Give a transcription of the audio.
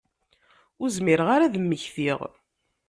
Ur zmireɣ ara ad mmektiɣ.